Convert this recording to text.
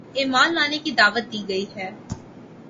ایمان لانے کی دعوت دی گئی ہے